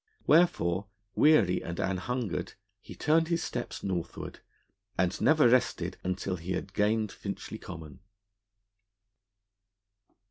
Wherefore, weary and an hungered, he turned his steps northward, and never rested until he had gained Finchley Common.